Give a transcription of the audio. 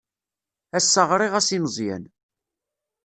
Ass-a ɣriɣ-as i Meẓyan.